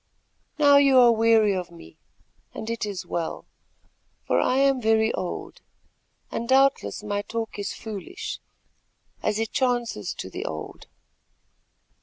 Now you are weary of me, and it is well; for I am very old, and doubtless my talk is foolish, as it chances to the old.